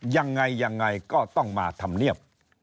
ยังไงยังไงก็ต้องมาทำเนียบ